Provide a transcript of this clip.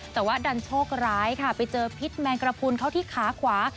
แต่ว่าดันโชคร้ายค่ะไปเจอพิษแมงกระพุนเข้าที่ขาขวา